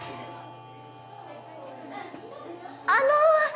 あの！